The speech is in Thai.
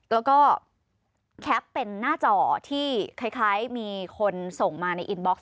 แล้วก็แคปเป็นหน้าจอที่คล้ายมีคนส่งมาในอินบ็อกซ